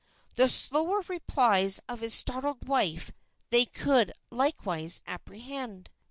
The slower replies of his startled wife they could likewise apprehend.